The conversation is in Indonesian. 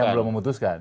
yang belum memutuskan